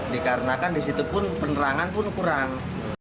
dikarenakan di situ pun penerangan pun kurang